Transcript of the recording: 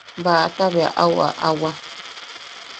Baʼata bea au aʼawa.